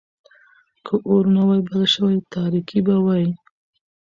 که اور نه وای بل شوی، تاريکي به وای.